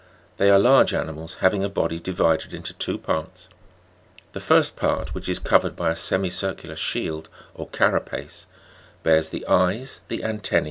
They are large animals, hav ing a body divided into two parts ; the first part, which is covered by a semicircular shield or carapace, bears the eyes, the antenna?